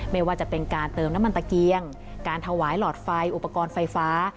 ไม่ว่าจะเป็นการเติมน้ำมันตะเกียงการถวายหลอดไฟอุปกรณ์ไฟฟ้า